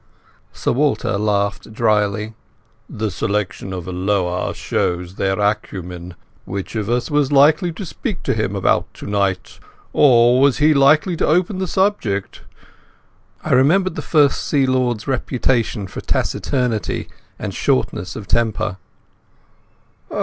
Sir Walter laughed dryly. "The selection of Alloa shows their acumen. Which of us was likely to speak to him about tonight? Or was he likely to open the subject?" I remembered the First Sea Lord's reputation for taciturnity and shortness of temper.